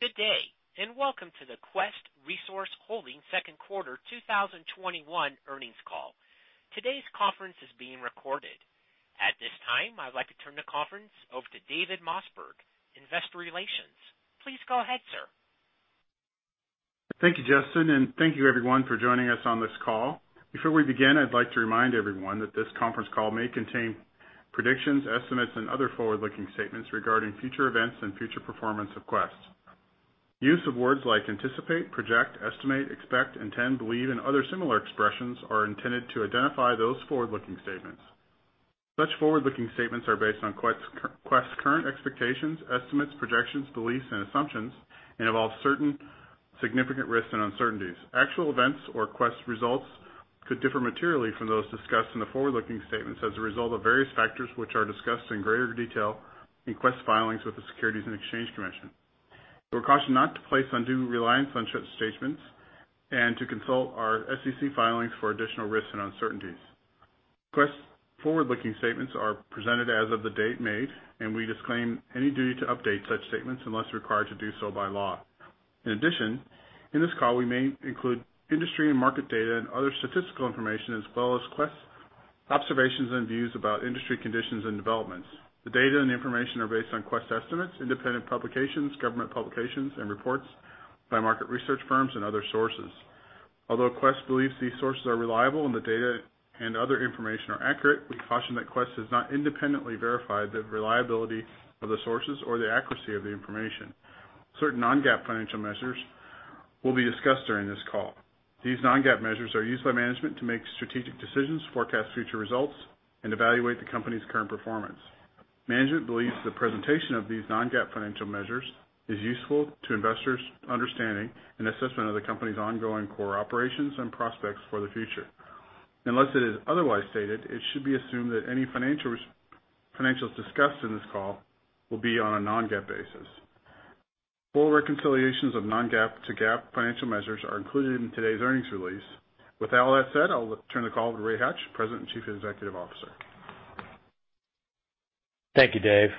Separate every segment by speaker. Speaker 1: Good day, welcome to the Quest Resource Holding second quarter 2021 earnings call. Today's conference is being recorded. At this time, I'd like to turn the conference over to Dave Mossberg, investor relations. Please go ahead, sir.
Speaker 2: Thank you, Justin, and thank you everyone for joining us on this call. Before we begin, I'd like to remind everyone that this conference call may contain predictions, estimates, and other forward-looking statements regarding future events and future performance of Quest. Use of words like anticipate, project, estimate, expect, intend, believe, and other similar expressions are intended to identify those forward-looking statements. Such forward-looking statements are based on Quest's current expectations, estimates, projections, beliefs, and assumptions and involve certain significant risks and uncertainties. Actual events or Quest results could differ materially from those discussed in the forward-looking statements as a result of various factors, which are discussed in greater detail Quest filings with the Securities and Exchange Commission. We caution not to place undue reliance on such statements and to consult our SEC filings for additional risks and uncertainties. Quest forward-looking statements are presented as of the date made, and we disclaim any duty to update such statements unless required to do so by law. In addition, in this call, we may include industry and market data and other statistical information, as well as Quest observations and views about industry conditions and developments. The data and the information are based on Quest estimates, independent publications, government publications and reports by market research firms and other sources. Although Quest believes these sources are reliable and the data and other information are accurate, we caution that Quest has not independently verified the reliability of the sources or the accuracy of the information. Certain non-GAAP financial measures will be discussed during this call. These non-GAAP measures are used by management to make strategic decisions, forecast future results, and evaluate the company's current performance. Management believes the presentation of these non-GAAP financial measures is useful to investors understanding an assessment of the company's ongoing core operations and prospects for the future. Unless it is otherwise stated, it should be assumed that any financials discussed in this call will be on a non-GAAP basis. Full reconciliations of non-GAAP to GAAP financial measures are included in today's earnings release. With all that said, I'll turn the call to Ray Hatch, President and Chief Executive Officer.
Speaker 3: Thank you, Dave.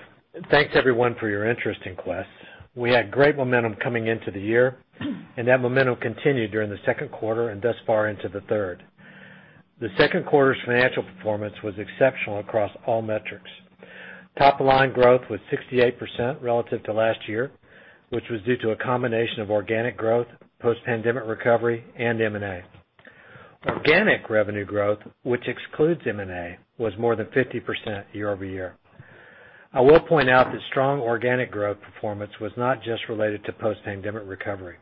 Speaker 3: Thanks everyone for your interest in Quest. We had great momentum coming into the year, and that momentum continued during the second quarter and thus far into the third. The second quarter's financial performance was exceptional across all metrics. Top line growth was 68% relative to last year, which was due to a combination of organic growth, post-pandemic recovery, and M&A. Organic revenue growth, which excludes M&A, was more than 50% year-over-year. I will point out that strong organic growth performance was not just related to post-pandemic recovery.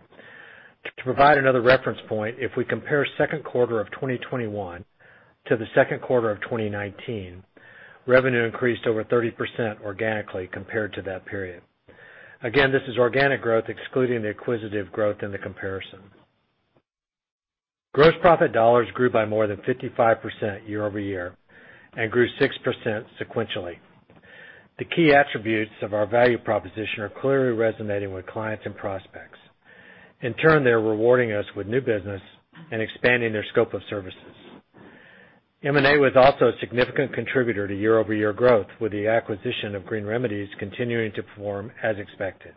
Speaker 3: To provide another reference point, if we compare second quarter of 2021 to the second quarter of 2019, revenue increased over 30% organically compared to that period. Again, this is organic growth excluding the acquisitive growth in the comparison. Gross profit dollars grew by more than 55% year-over-year and grew 6% sequentially. The key attributes of our value proposition are clearly resonating with clients and prospects. In turn, they're rewarding us with new business and expanding their scope of services. M&A was also a significant contributor to year-over-year growth, with the acquisition of Green Remedies continuing to perform as expected.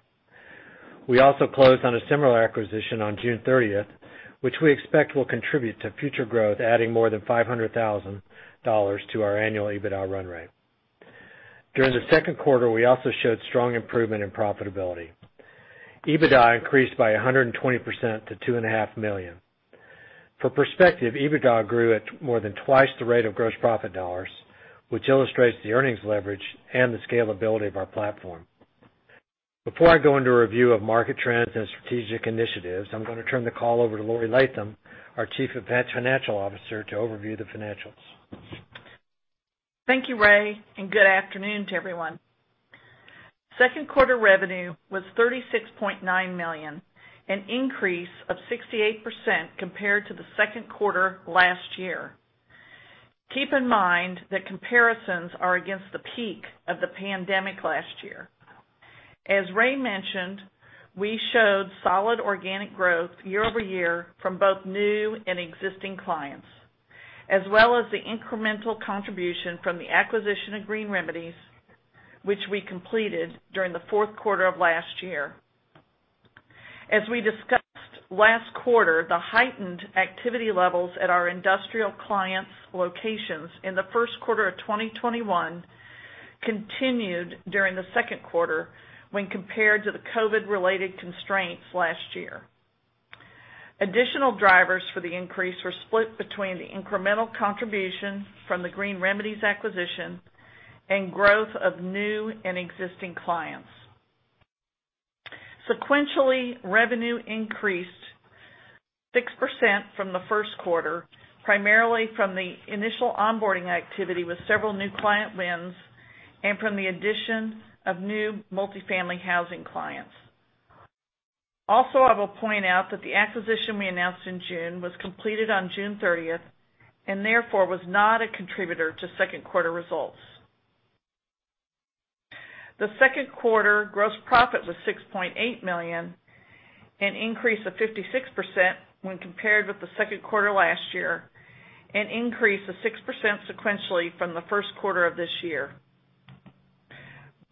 Speaker 3: We also closed on a similar acquisition on June 30th, which we expect will contribute to future growth, adding more than $500,000 to our annual EBITDA run rate. During the second quarter, we also showed strong improvement in profitability. EBITDA increased by 120% to $2.5 million. For perspective, EBITDA grew at more than twice the rate of gross profit dollars, which illustrates the earnings leverage and the scalability of our platform. Before I go into a review of market trends and strategic initiatives, I'm going to turn the call over to Laurie Latham, our Chief Financial Officer, to overview the financials.
Speaker 4: Thank you, Ray, and good afternoon to everyone. Second quarter revenue was $36.9 million, an increase of 68% compared to the second quarter last year. Keep in mind that comparisons are against the peak of the pandemic last year. As Ray mentioned, we showed solid organic growth year-over-year from both new and existing clients, as well as the incremental contribution from the acquisition of Green Remedies, which we completed during the fourth quarter of last year. As we discussed last quarter, the heightened activity levels at our industrial clients' locations in the first quarter of 2021 continued during the second quarter when compared to the COVID related constraints last year. Additional drivers for the increase were split between the incremental contribution from the Green Remedies acquisition and growth of new and existing clients. Sequentially, revenue increased 6% from the first quarter, primarily from the initial onboarding activity with several new client wins and from the addition of new multi-family housing clients. Also, I will point out that the acquisition we announced in June was completed on June 30th and therefore was not a contributor to second quarter results. The second quarter gross profit was $6.8 million, an increase of 56% when compared with the second quarter last year, an increase of 6% sequentially from the first quarter of this year.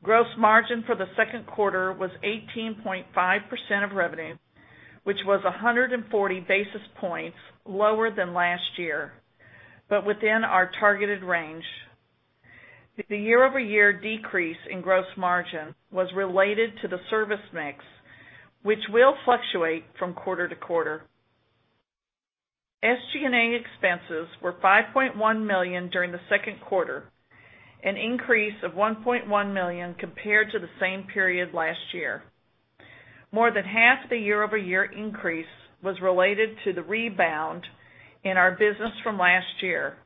Speaker 4: Gross margin for the second quarter was 18.5% of revenue, which was 140 basis points lower than last year, but within our targeted range. The year-over-year decrease in gross margin was related to the service mix, which will fluctuate from quarter-to-quarter. SG&A expenses were $5.1 million during the second quarter, an increase of $1.1 million compared to the same period last year. More than half the year-over-year increase was related to the rebound in our business from last year,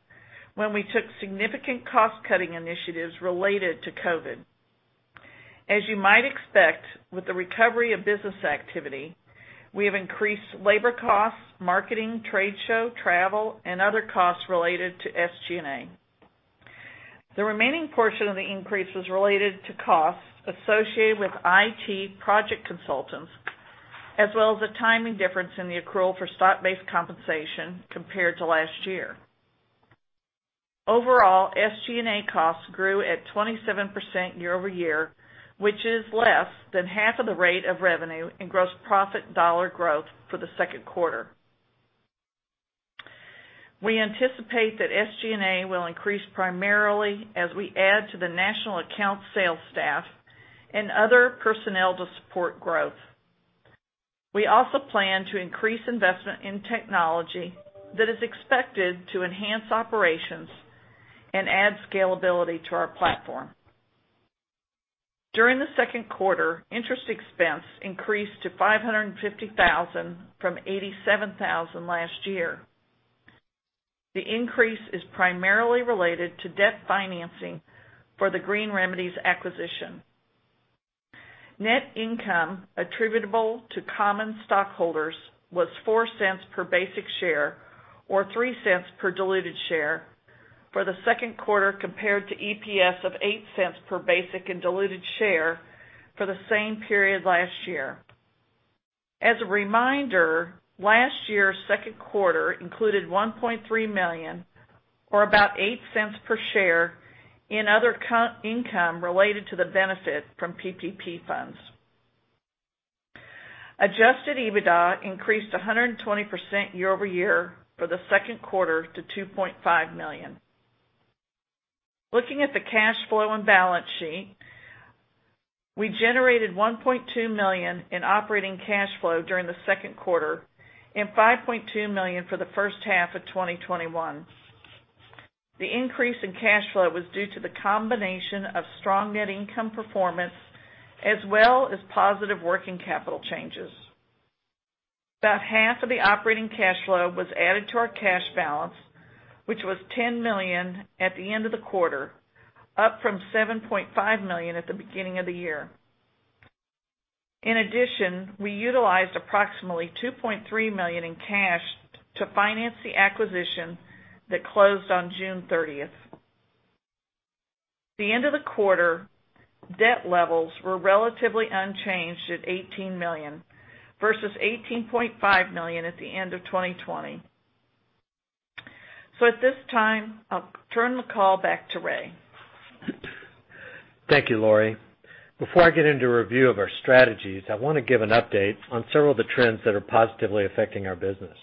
Speaker 4: when we took significant cost-cutting initiatives related to COVID. As you might expect with the recovery of business activity, we have increased labor costs, marketing, trade show, travel, and other costs related to SG&A. The remaining portion of the increase was related to costs associated with IT project consultants, as well as a timing difference in the accrual for stock-based compensation compared to last year. Overall, SG&A costs grew at 27% year-over-year, which is less than half of the rate of revenue and gross profit dollar growth for the second quarter. We anticipate that SG&A will increase primarily as we add to the national account sales staff and other personnel to support growth. We also plan to increase investment in technology that is expected to enhance operations and add scalability to our platform. During the second quarter, interest expense increased to $550,000 from $87,000 last year. The increase is primarily related to debt financing for the Green Remedies acquisition. Net income attributable to common stockholders was $0.04 per basic share or $0.03 per diluted share for the second quarter compared to EPS of $0.08 per basic and diluted share for the same period last year. As a reminder, last year's second quarter included $1.3 million or about $0.08 per share in other income related to the benefit from PPP funds. Adjusted EBITDA increased 120% year-over-year for the second quarter to $2.5 million. Looking at the cash flow and balance sheet, we generated $1.2 million in operating cash flow during the second quarter and $5.2 million for the first half of 2021. The increase in cash flow was due to the combination of strong net income performance, as well as positive working capital changes. About half of the operating cash flow was added to our cash balance, which was $10 million at the end of the quarter, up from $7.5 million at the beginning of the year. In addition, we utilized approximately $2.3 million in cash to finance the acquisition that closed on June 30th. The end of the quarter debt levels were relatively unchanged at $18 million versus $18.5 million at the end of 2020. At this time, I'll turn the call back to Ray.
Speaker 3: Thank you, Laurie. Before I get into a review of our strategies, I want to give an update on several of the trends that are positively affecting our business.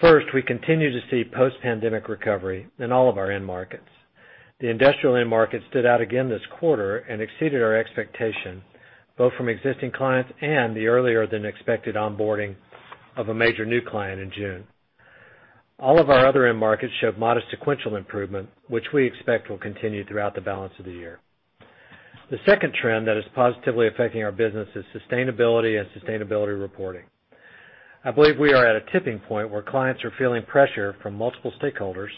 Speaker 3: First, we continue to see post-pandemic recovery in all of our end markets. The industrial end market stood out again this quarter and exceeded our expectation, both from existing clients and the earlier than expected onboarding of a major new client in June. All of our other end markets showed modest sequential improvement, which we expect will continue throughout the balance of the year. The second trend that is positively affecting our business is sustainability and sustainability reporting. I believe we are at a tipping point where clients are feeling pressure from multiple stakeholders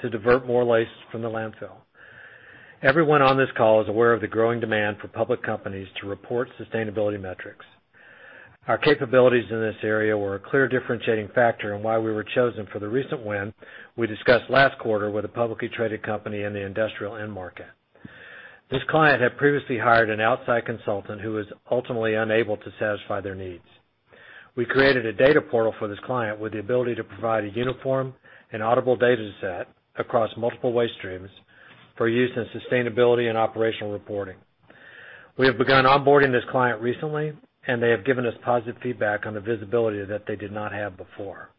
Speaker 3: to divert more waste from the landfill. Everyone on this call is aware of the growing demand for public companies to report sustainability metrics. Our capabilities in this area were a clear differentiating factor in why we were chosen for the recent win we discussed last quarter with a publicly traded company in the industrial end market. This client had previously hired an outside consultant who was ultimately unable to satisfy their needs. We created a data portal for this client with the ability to provide a uniform and auditable data set across multiple waste streams for use in sustainability and operational reporting. We have begun onboarding this client recently, and they have given us positive feedback on the visibility that they did not have before.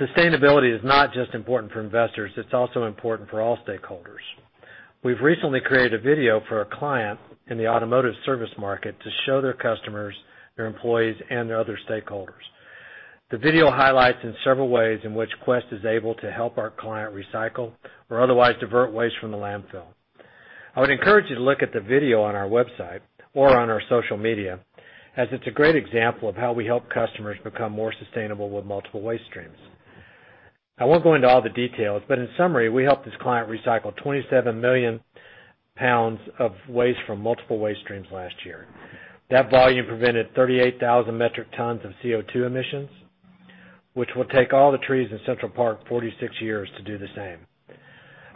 Speaker 3: Sustainability is not just important for investors, it's also important for all stakeholders. We've recently created a video for a client in the automotive service market to show their customers, their employees, and their other stakeholders. The video highlights in several ways in which Quest is able to help our client recycle or otherwise divert waste from the landfill. I would encourage you to look at the video on our website or on our social media, as it's a great example of how we help customers become more sustainable with multiple waste streams. I won't go into all the details, but in summary, we helped this client recycle 27,000,000 lbs of waste from multiple waste streams last year. That volume prevented 38,000 metric tons of CO2 emissions which will take all the trees in Central Park 46 years to do the same.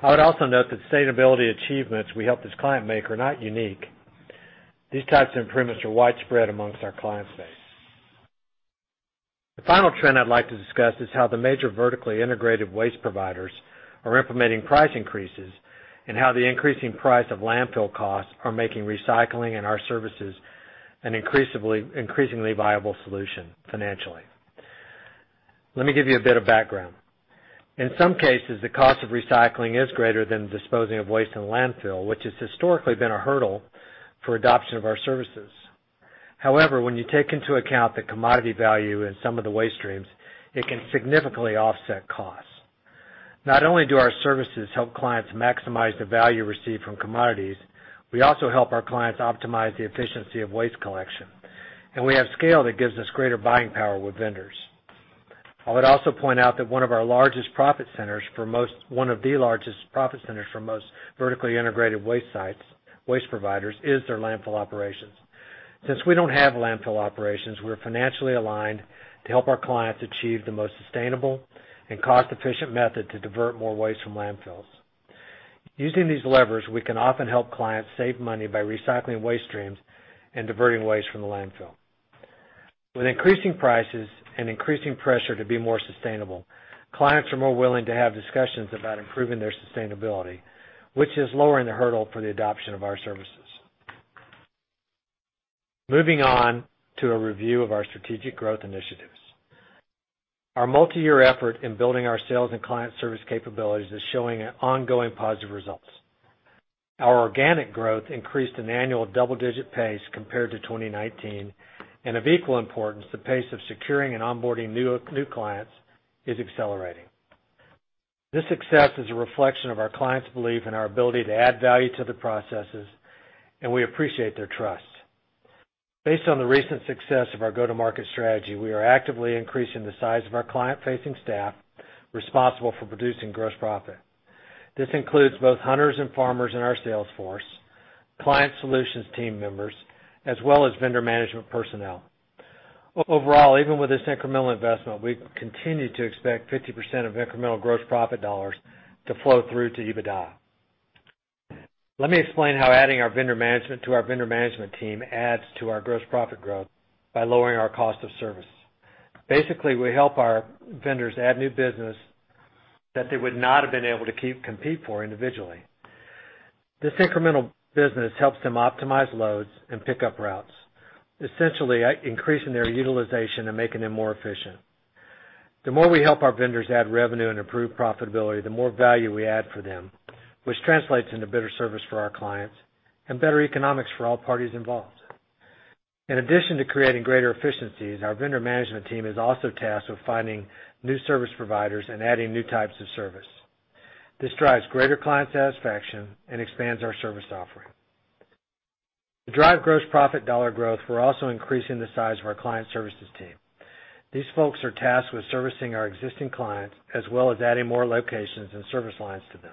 Speaker 3: I would also note that sustainability achievements we helped this client make are not unique. These types of improvements are widespread amongst our client base. The final trend I'd like to discuss is how the major vertically integrated waste providers are implementing price increases, and how the increasing price of landfill costs are making recycling and our services an increasingly viable solution financially. Let me give you a bit of background. In some cases, the cost of recycling is greater than disposing of waste in landfill, which has historically been a hurdle for adoption of our services. When you take into account the commodity value in some of the waste streams, it can significantly offset costs. Not only do our services help clients maximize the value received from commodities, we also help our clients optimize the efficiency of waste collection, and we have scale that gives us greater buying power with vendors. I would also point out that one of the largest profit centers for most vertically integrated waste providers is their landfill operations. Since we don't have landfill operations, we are financially aligned to help our clients achieve the most sustainable and cost-efficient method to divert more waste from landfills. Using these levers, we can often help clients save money by recycling waste streams and diverting waste from the landfill. With increasing prices and increasing pressure to be more sustainable, clients are more willing to have discussions about improving their sustainability, which is lowering the hurdle for the adoption of our services. Moving on to a review of our strategic growth initiatives. Our multi-year effort in building our sales and client service capabilities is showing ongoing positive results. Our organic growth increased an annual double-digit pace compared to 2019, and of equal importance, the pace of securing and onboarding new clients is accelerating. This success is a reflection of our clients' belief in our ability to add value to the processes, and we appreciate their trust. Based on the recent success of our go-to-market strategy, we are actively increasing the size of our client-facing staff responsible for producing gross profit. This includes both hunters and farmers in our sales force, client solutions team members, as well as vendor management personnel. Overall, even with this incremental investment, we continue to expect 50% of incremental gross profit dollars to flow through to EBITDA. Let me explain how adding our vendor management to our vendor management team adds to our gross profit growth by lowering our cost of service. Basically, we help our vendors add new business that they would not have been able to compete for individually. This incremental business helps them optimize loads and pickup routes, essentially increasing their utilization and making them more efficient. The more we help our vendors add revenue and improve profitability, the more value we add for them, which translates into better service for our clients and better economics for all parties involved. In addition to creating greater efficiencies, our vendor management team is also tasked with finding new service providers and adding new types of service. This drives greater client satisfaction and expands our service offering. To drive gross profit dollar growth, we're also increasing the size of our client services team. These folks are tasked with servicing our existing clients, as well as adding more locations and service lines to them.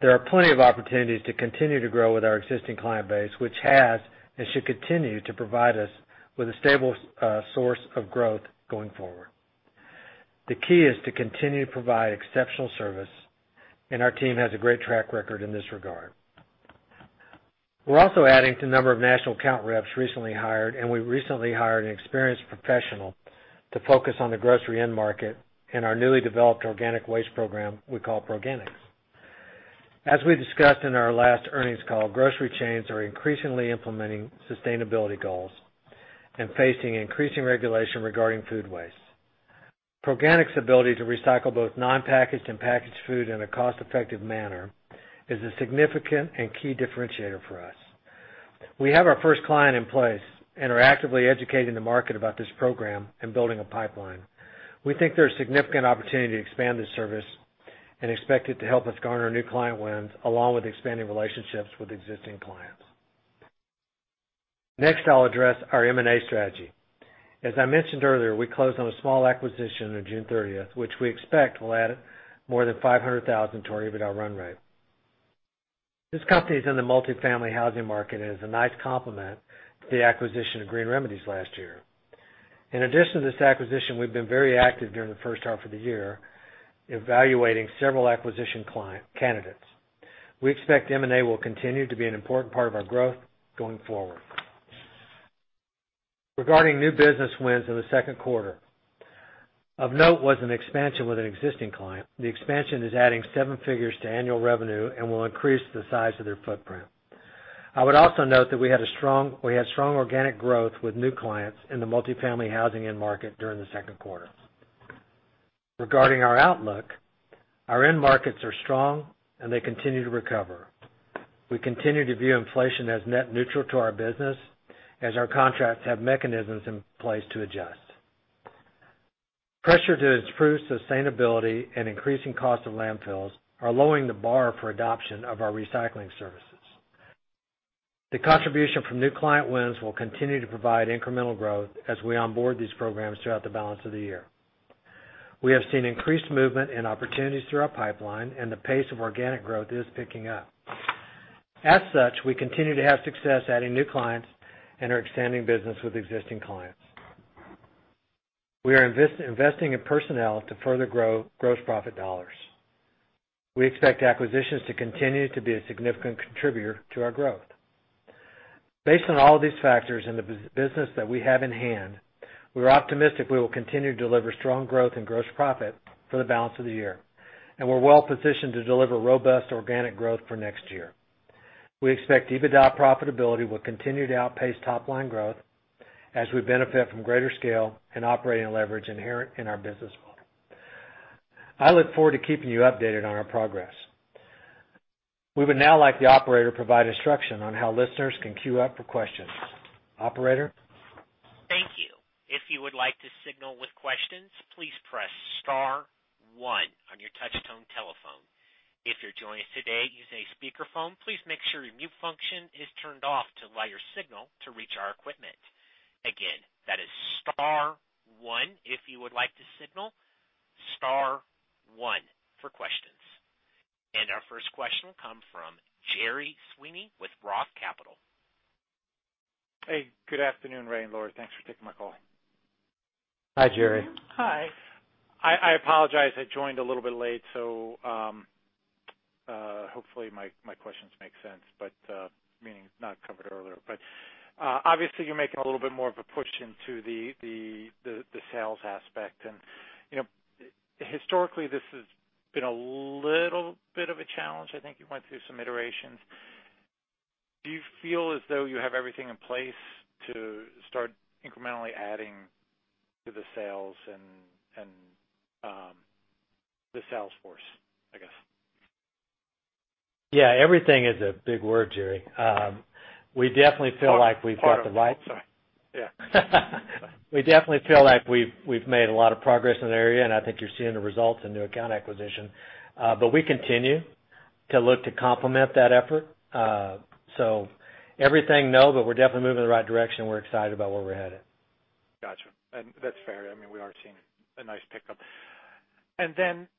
Speaker 3: There are plenty of opportunities to continue to grow with our existing client base, which has and should continue to provide us with a stable source of growth going forward. The key is to continue to provide exceptional service, and our team has a great track record in this regard. We're also adding to the number of national account reps recently hired, and we recently hired an experienced professional to focus on the grocery end market and our newly developed organic waste program we call Proganics. As we discussed in our last earnings call, grocery chains are increasingly implementing sustainability goals and facing increasing regulation regarding food waste. Proganics' ability to recycle both non-packaged and packaged food in a cost-effective manner is a significant and key differentiator for us. We have our first client in place and are actively educating the market about this program and building a pipeline. We think there's significant opportunity to expand this service and expect it to help us garner new client wins along with expanding relationships with existing clients. Next, I'll address our M&A strategy. As I mentioned earlier, we closed on a small acquisition on June 30th, which we expect will add more than $500,000 to our EBITDA run rate. This company is in the multifamily housing market and is a nice complement to the acquisition of Green Remedies last year. In addition to this acquisition, we've been very active during the first half of the year, evaluating several acquisition candidates. We expect M&A will continue to be an important part of our growth going forward. Regarding new business wins in the second quarter, of note was an expansion with an existing client. The expansion is adding seven figures to annual revenue and will increase the size of their footprint. I would also note that we had strong organic growth with new clients in the multifamily housing end market during the second quarter. Regarding our outlook, our end markets are strong, and they continue to recover. We continue to view inflation as net neutral to our business, as our contracts have mechanisms in place to adjust. Pressure to improve sustainability and increasing cost of landfills are lowering the bar for adoption of our recycling services. The contribution from new client wins will continue to provide incremental growth as we onboard these programs throughout the balance of the year. We have seen increased movement in opportunities through our pipeline and the pace of organic growth is picking up. As such, we continue to have success adding new clients and are expanding business with existing clients. We are investing in personnel to further grow gross profit dollars. We expect acquisitions to continue to be a significant contributor to our growth. Based on all of these factors and the business that we have in hand, we're optimistic we will continue to deliver strong growth and gross profit for the balance of the year, and we're well-positioned to deliver robust organic growth for next year. We expect EBITDA profitability will continue to outpace top-line growth as we benefit from greater scale and operating leverage inherent in our business model. I look forward to keeping you updated on our progress. We would now like the operator to provide instruction on how listeners can queue up for questions. Operator?
Speaker 1: Thank you. If you would like to signal with questions, please press star one on your touch-tone telephone. If you're joining us today using a speakerphone, please make sure your mute function is turned off to allow your signal to reach our equipment. Again, that is star one if you would like to signal. Star one for questions. Our first question will come from Gerry Sweeney with Roth Capital.
Speaker 5: Hey, good afternoon, Ray and Laurie. Thanks for taking my call.
Speaker 3: Hi, Gerry.
Speaker 5: Hi. I apologize, I joined a little bit late, so hopefully my questions make sense, meaning it's not covered earlier. Obviously you're making a little bit more of a push into the sales aspect, and historically this has been a little bit of a challenge. I think you went through some iterations. Do you feel as though you have everything in place to start incrementally adding to the sales and the sales force, I guess?
Speaker 3: Yeah. Everything is a big word, Gerry.
Speaker 5: Part of it. Sorry. Yeah.
Speaker 3: We definitely feel like we've made a lot of progress in the area, and I think you're seeing the results in new account acquisition. We continue to look to complement that effort. Everything, no, but we're definitely moving in the right direction. We're excited about where we're headed.
Speaker 5: Got you. That's fair. We are seeing a nice pickup.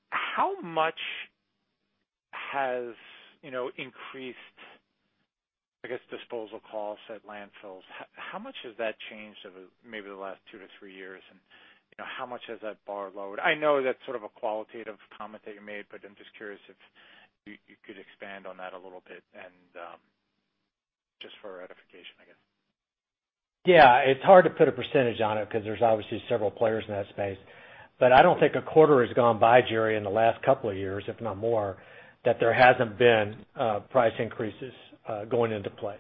Speaker 5: How much has increased, I guess, disposal costs at landfills, how much has that changed over maybe the last two to three years, and how much has that bar lowered? I know that's sort of a qualitative comment that you made, but I'm just curious if you could expand on that a little bit and just for edification, I guess.
Speaker 3: Yeah. It's hard to put a percentage on it because there's obviously several players in that space. I don't think a quarter has gone by, Gerry, in the last couple of years, if not more, that there hasn't been price increases going into place.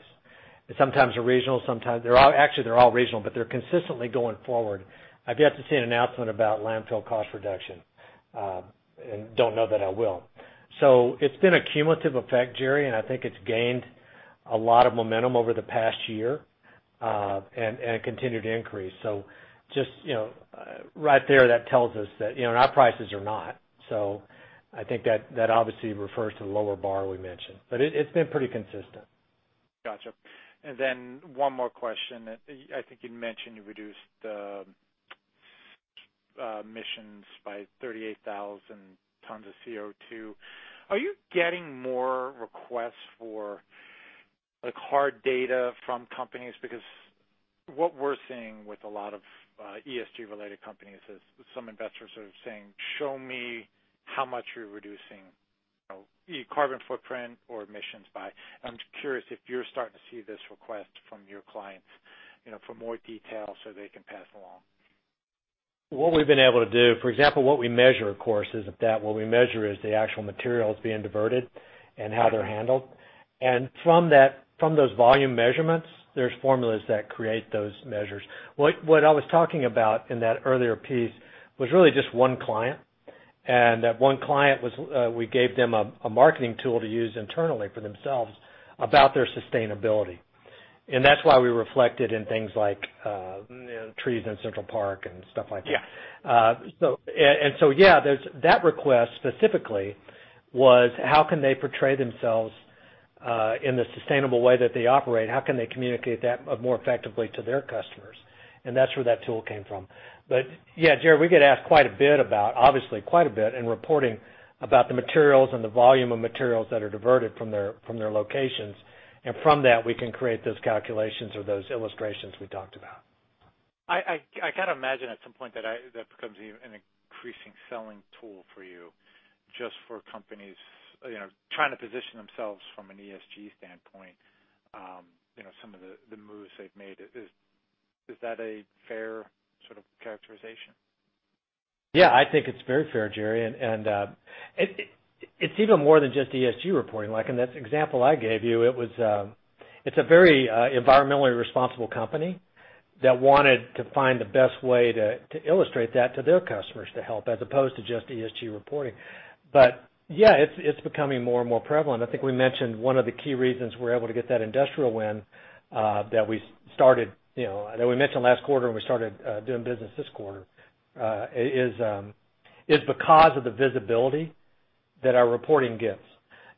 Speaker 3: Sometimes they're regional, sometimes actually, they're all regional, they're consistently going forward. I've yet to see an announcement about landfill cost reduction, don't know that I will. It's been a cumulative effect, Gerry, I think it's gained a lot of momentum over the past year, it continued to increase. Just right there, that tells us that our prices are not. I think that obviously refers to the lower bar we mentioned, it's been pretty consistent.
Speaker 5: Got you. One more question. I think you mentioned you reduced emissions by 38,000 tons of CO2. Are you getting more requests for hard data from companies? What we're seeing with a lot of ESG-related companies is some investors are saying, "Show me how much you're reducing your carbon footprint or emissions by." I'm just curious if you're starting to see this request from your clients for more detail so they can pass along.
Speaker 3: What we've been able to do, for example, what we measure, of course, isn't that. What we measure is the actual materials being diverted and how they're handled. From those volume measurements, there's formulas that create those measures. What I was talking about in that earlier piece was really just one client, and that one client, we gave them a marketing tool to use internally for themselves about their sustainability. That's why we reflected in things like trees in Central Park and stuff like that.
Speaker 5: Yeah.
Speaker 3: Yeah, that request specifically was how can they portray themselves in the sustainable way that they operate? How can they communicate that more effectively to their customers? That's where that tool came from. Yeah, Gerry, we get asked quite a bit about, obviously quite a bit in reporting about the materials and the volume of materials that are diverted from their locations. From that, we can create those calculations or those illustrations we talked about.
Speaker 5: I kind of imagine at some point that becomes an increasing selling tool for you just for companies trying to position themselves from an ESG standpoint, some of the moves they've made. Is that a fair sort of characterization?
Speaker 3: Yeah, I think it's very fair, Gerry. It's even more than just ESG reporting. Like in that example I gave you, it's a very environmentally responsible company that wanted to find the best way to illustrate that to their customers to help, as opposed to just ESG reporting. Yeah, it's becoming more and more prevalent. I think we mentioned one of the key reasons we're able to get that industrial win, that we mentioned last quarter when we started doing business this quarter, is because of the visibility that our reporting gives.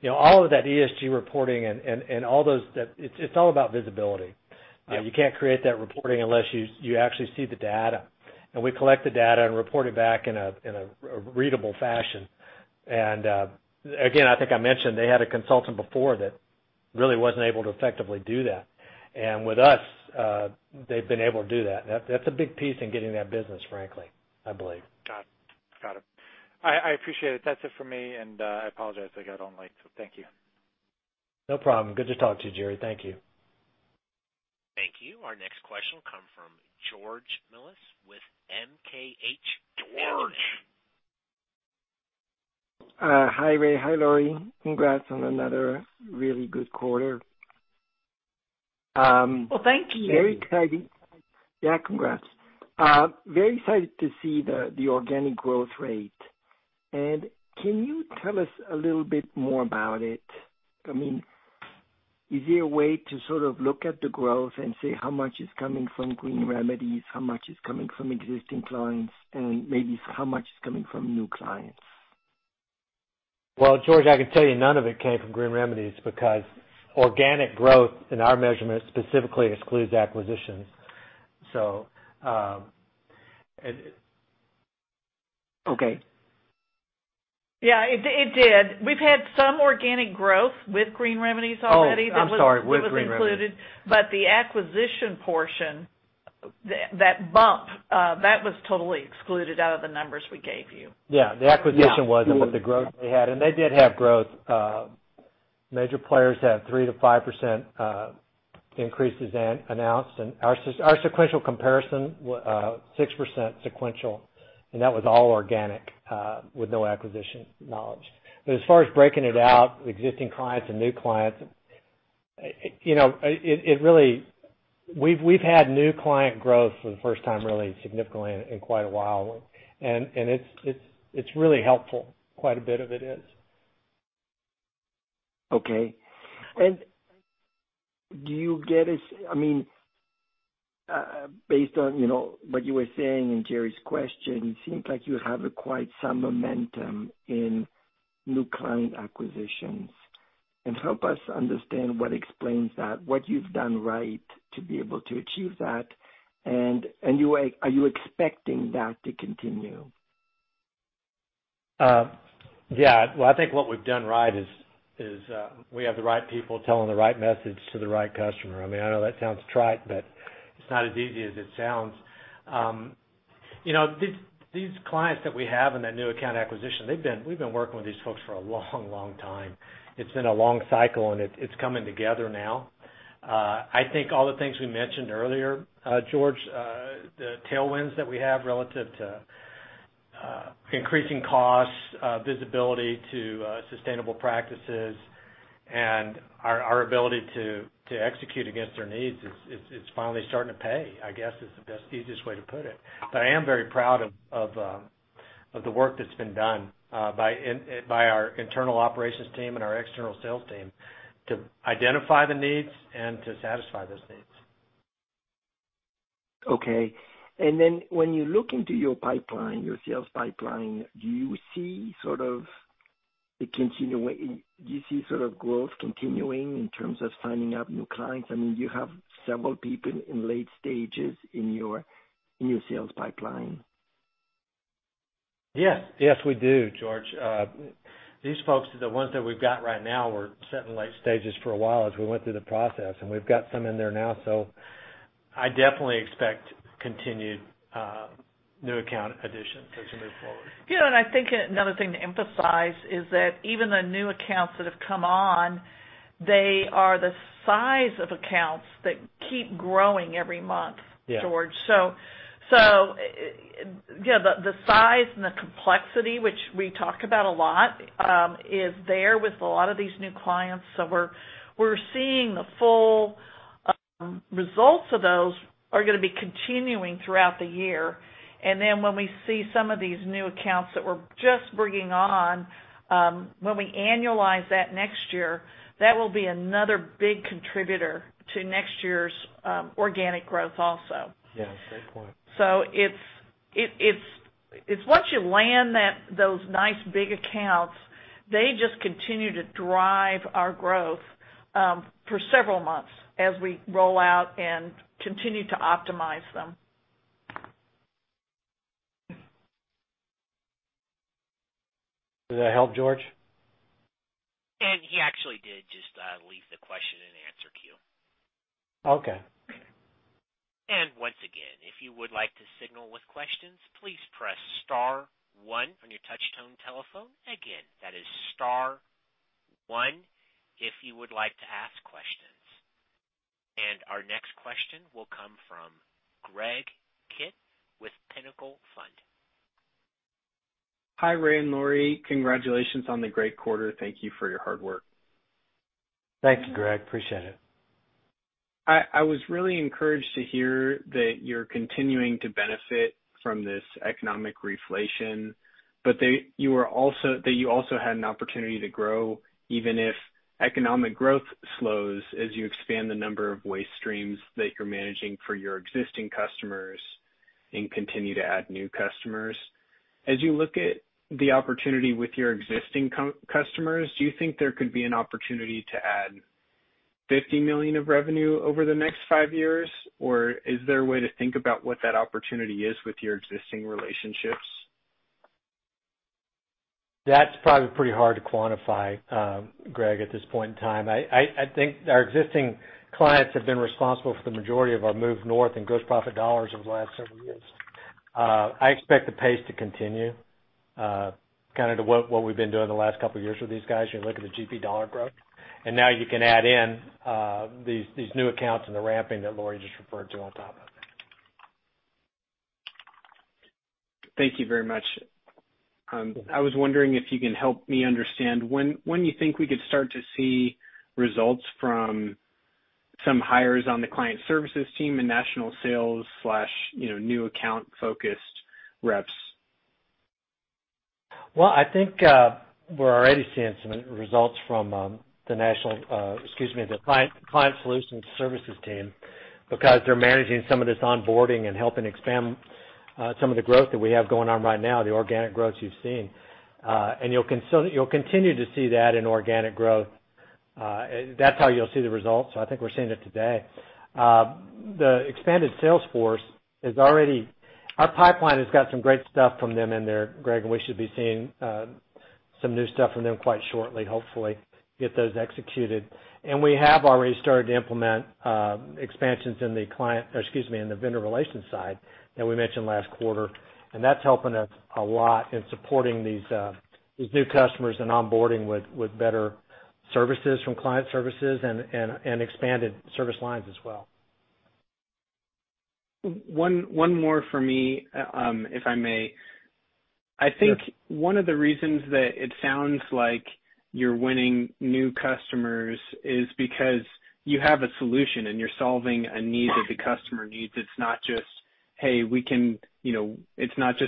Speaker 3: All of that ESG reporting and all those, it's all about visibility. You can't create that reporting unless you actually see the data. We collect the data and report it back in a readable fashion. Again, I think I mentioned they had a consultant before that really wasn't able to effectively do that. With us, they've been able to do that. That's a big piece in getting that business, frankly, I believe.
Speaker 5: Got it. I appreciate it. That's it for me. I apologize, I got on late. Thank you.
Speaker 3: No problem. Good to talk to you, Gerry. Thank you.
Speaker 1: Thank you. Our next question will come from George Melas with MKH.
Speaker 3: George.
Speaker 6: Hi, Ray. Hi, Laurie. Congrats on another really good quarter.
Speaker 4: Well, thank you.
Speaker 6: Yeah, congrats. Very excited to see the organic growth rate. Can you tell us a little bit more about it? Is there a way to sort of look at the growth and say how much is coming from Green Remedies, how much is coming from existing clients, and maybe how much is coming from new clients?
Speaker 3: Well, George, I can tell you none of it came from Green Remedies because organic growth in our measurement specifically excludes acquisitions.
Speaker 6: Okay.
Speaker 4: Yeah, it did. We've had some organic growth with Green Remedies already.
Speaker 3: Oh, I'm sorry. With Green Remedies
Speaker 4: That was included, but the acquisition portion, that bump, that was totally excluded out of the numbers we gave you.
Speaker 3: Yeah. The acquisition wasn't.
Speaker 6: Yeah. Mm-hmm
Speaker 3: The growth they had, and they did have growth. Major players had 3%-5% increases announced. Our sequential comparison, 6% sequential, and that was all organic, with no acquisition knowledge. As far as breaking it out, existing clients and new clients, we've had new client growth for the first time, really significantly in quite a while. It's really helpful. Quite a bit of it is.
Speaker 6: Okay. Do you Based on what you were saying in Gerry's question, it seems like you have acquired some momentum in new client acquisitions. Help us understand what explains that, what you've done right to be able to achieve that, and are you expecting that to continue?
Speaker 3: Yeah. Well, I think what we've done right is we have the right people telling the right message to the right customer. I know that sounds trite, but it's not as easy as it sounds. These clients that we have in that new account acquisition, we've been working with these folks for a long time. It's been a long cycle, and it's coming together now. I think all the things we mentioned earlier, George, the tailwinds that we have relative to increasing costs, visibility to sustainable practices, and our ability to execute against their needs is finally starting to pay, I guess, is the best, easiest way to put it. I am very proud of the work that's been done by our internal operations team and our external sales team to identify the needs and to satisfy those needs.
Speaker 6: Okay. When you look into your pipeline, your sales pipeline, do you see sort of the continuation, do you see sort of growth continuing in terms of signing up new clients? You have several people in late stages in your sales pipeline.
Speaker 3: Yes. Yes, we do, George. These folks are the ones that we've got right now, were set in late stages for a while as we went through the process, and we've got some in there now. I definitely expect continued new account additions as we move forward.
Speaker 4: I think another thing to emphasize is that even the new accounts that have come on, they are the size of accounts that keep growing every month.
Speaker 3: Yeah.
Speaker 4: Yeah, the size and the complexity, which we talk about a lot, is there with a lot of these new clients. We're seeing the full results of those are going to be continuing throughout the year. When we see some of these new accounts that we're just bringing on, when we annualize that next year, that will be another big contributor to next year's organic growth also.
Speaker 3: Yeah. Great point.
Speaker 4: It's once you land those nice big accounts, they just continue to drive our growth, for several months as we roll out and continue to optimize them.
Speaker 3: Does that help, George?
Speaker 1: He actually did just leave the question and answer queue.
Speaker 3: Okay.
Speaker 1: Once again, if you would like to signal with questions, please press star one on your touch-tone telephone. Again, that is star one if you would like to ask questions. Our next question will come from Greg Kitt with Pinnacle Fund.
Speaker 7: Hi, Ray and Laurie. Congratulations on the great quarter. Thank you for your hard work.
Speaker 3: Thank you, Greg. Appreciate it.
Speaker 7: I was really encouraged to hear that you're continuing to benefit from this economic reflation, that you also had an opportunity to grow, even if economic growth slows as you expand the number of waste streams that you're managing for your existing customers. Continue to add new customers. As you look at the opportunity with your existing customers, do you think there could be an opportunity to add $50 million of revenue over the next five years? Is there a way to think about what that opportunity is with your existing relationships?
Speaker 3: That's probably pretty hard to quantify, Greg, at this point in time. I think our existing clients have been responsible for the majority of our move north in gross profit dollars over the last several years. I expect the pace to continue, kind of to what we've been doing the last couple of years with these guys. You look at the GP dollar growth, and now you can add in these new accounts and the ramping that Laurie just referred to on top of it.
Speaker 7: Thank you very much. I was wondering if you can help me understand when you think we could start to see results from some hires on the client services team and national sales/new account-focused reps.
Speaker 3: I think we're already seeing some results from the client solutions services team because they're managing some of this onboarding and helping expand some of the growth that we have going on right now, the organic growth you've seen. You'll continue to see that in organic growth. That's how you'll see the results. I think we're seeing it today. Our pipeline has got some great stuff from them in there, Greg, and we should be seeing some new stuff from them quite shortly, hopefully, get those executed. We have already started to implement expansions in the vendor relations side that we mentioned last quarter, and that's helping us a lot in supporting these new customers and onboarding with better services from client services and expanded service lines as well.
Speaker 7: One more from me, if I may.
Speaker 3: Sure.
Speaker 7: I think one of the reasons that it sounds like you're winning new customers is because you have a solution and you're solving a need that the customer needs. It's not just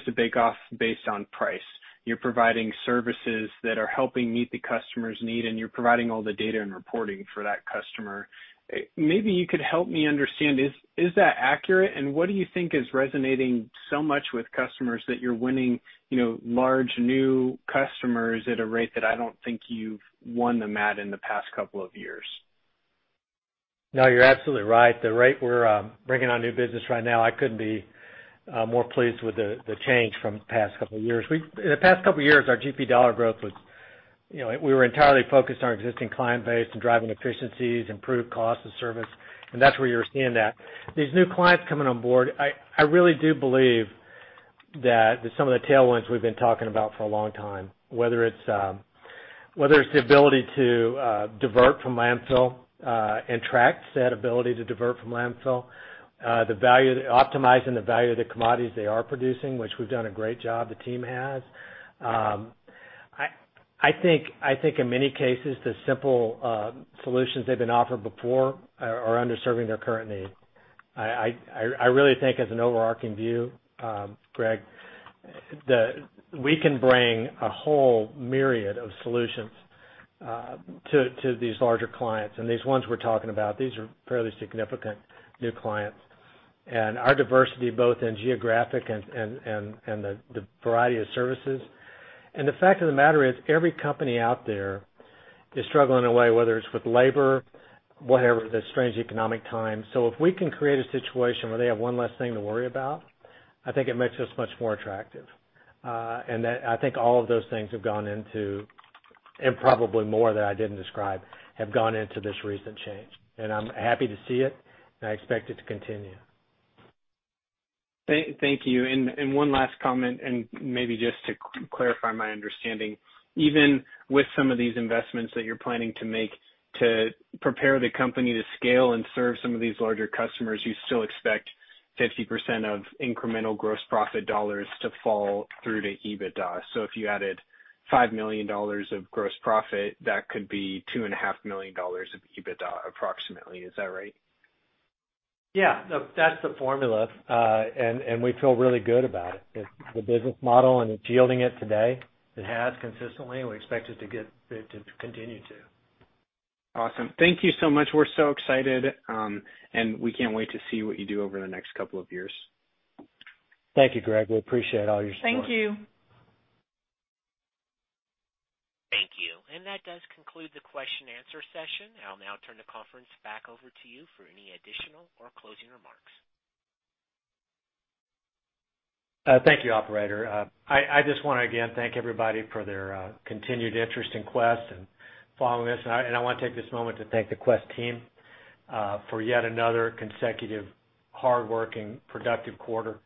Speaker 7: a bake-off based on price. You're providing services that are helping meet the customer's need, and you're providing all the data and reporting for that customer. Maybe you could help me understand, is that accurate? And what do you think is resonating so much with customers that you're winning large new customers at a rate that I don't think you've won them at in the past couple of years?
Speaker 3: No, you're absolutely right. The rate we're bringing on new business right now, I couldn't be more pleased with the change from the past couple of years. In the past couple of years, our GP dollar growth was we were entirely focused on existing client base and driving efficiencies, improved cost of service. That's where you're seeing that. These new clients coming on board, I really do believe that some of the tailwinds we've been talking about for a long time, whether it's the ability to divert from landfill, traceability to divert from landfill, optimizing the value of the commodities they are producing, which we've done a great job, the team has. I think in many cases, the simple solutions they've been offered before are under-serving their current need. I really think as an overarching view, Greg, that we can bring a whole myriad of solutions to these larger clients. These ones we're talking about, these are fairly significant new clients. Our diversity, both in geographic and the variety of services. The fact of the matter is every company out there is struggling in a way, whether it's with labor, whatever, the strange economic times. If we can create a situation where they have one less thing to worry about, I think it makes us much more attractive. I think all of those things have gone into, and probably more that I didn't describe, have gone into this recent change. I'm happy to see it, and I expect it to continue.
Speaker 7: Thank you. One last comment, maybe just to clarify my understanding. Even with some of these investments that you're planning to make to prepare the company to scale and serve some of these larger customers, you still expect 50% of incremental gross profit dollars to fall through to EBITDA. If you added $5 million of gross profit, that could be $2.5 million of EBITDA approximately. Is that right?
Speaker 3: Yeah. No, that's the formula. We feel really good about it. It's the business model, and it's yielding it today. It has consistently, and we expect it to continue to.
Speaker 7: Awesome. Thank you so much. We're so excited, and we can't wait to see what you do over the next couple of years.
Speaker 3: Thank you, Greg. We appreciate all your support.
Speaker 4: Thank you.
Speaker 1: Thank you. That does conclude the question and answer session. I'll now turn the conference back over to you for any additional or closing remarks.
Speaker 3: Thank you, operator. I just want to, again, thank everybody for their continued interest in Quest and following us. I want to take this moment to thank the Quest team for yet another consecutive hardworking, productive quarter.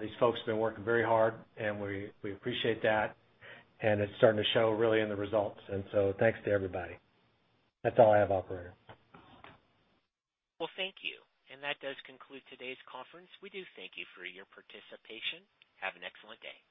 Speaker 3: These folks have been working very hard, and we appreciate that, and it's starting to show really in the results. Thanks to everybody. That's all I have, operator.
Speaker 1: Well, thank you. That does conclude today's conference. We do thank you for your participation. Have an excellent day.